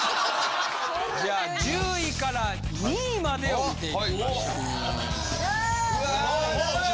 じゃあ１０位から２位までを見て行きましょう。